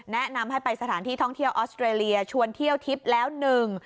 แนะนำให้ไปสถานที่ท่องเที่ยวออสเตรเลียชวนเที่ยวทิพย์แล้วหนึ่ง